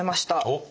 おっ！